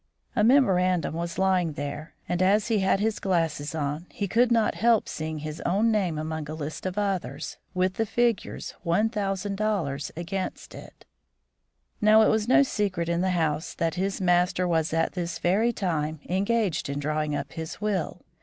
A memorandum was lying there, and as he had his glasses on, he could not help seeing his own name among a list of others, with the figures $1000 against it. Now, it was no secret in the house that his master was at this very time engaged in drawing up his will.